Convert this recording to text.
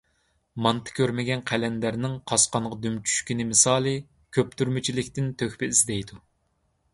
مانتا كۆرمىگەن قەلەندەرنىڭ قاسقانغا دۈم چۈشكىنى مىسالى كۆپتۈرمىچىلىكتىن تۆھپە ئىزدەيدۇ.